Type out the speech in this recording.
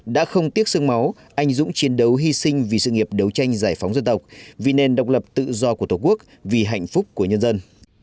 đã không tiếc sương máu anh dũng chiến đấu hy sinh vì sự nghiệp đấu tranh giải phóng dân tộc vì nền độc lập tự do của tổ quốc vì hạnh phúc của nhân dân